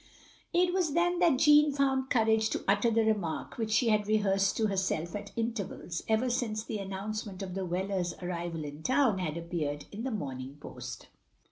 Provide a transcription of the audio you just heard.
"It was then that Jeanne found courage to utter the remark which she had rehearsed to her self at intervals ever since the announcement of the Whelers* arrival in town had appeared in the Morning Post.